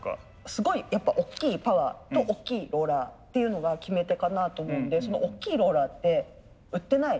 すごいやっぱおっきいパワーとおっきいローラーっていうのが決め手かなと思うんでそのおっきいローラーって売ってない。